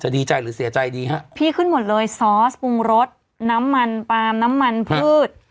ดีใจหรือเสียใจดีฮะพี่ขึ้นหมดเลยซอสปรุงรสน้ำมันปาล์มน้ำมันพืช